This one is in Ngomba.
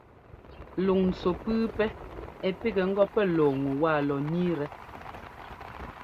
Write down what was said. Luŋntsu pʉ́ʉpɛ́ ɛ́ pigɛ ŋgɔ pɛ́ lɔɔ ŋu wa lɔ ńniitɛ.